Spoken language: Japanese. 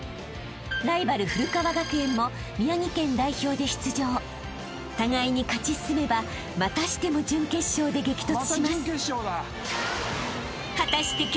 ［ライバル古川学園も宮城県代表で出場］［互いに勝ち進めばまたしても準決勝で激突します］